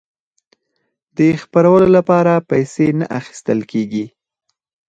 د خپرولو لپاره پیسې نه اخیستل کیږي.